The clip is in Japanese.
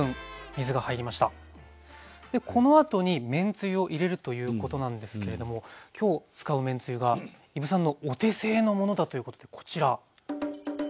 でこのあとにめんつゆを入れるということなんですけれども今日使うめんつゆが伊武さんのお手製のものだということでこちら。